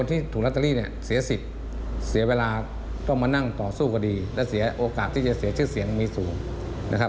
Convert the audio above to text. ตามสู้คดีและเสียโอกาสที่จะเสียชื่อเสียงมีสูง